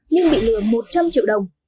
nhưng bị lừa một trăm linh triệu đồng